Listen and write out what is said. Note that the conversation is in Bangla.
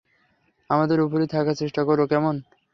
আমাদের উপরেই থাকার চেষ্টা কোরো, কেমন?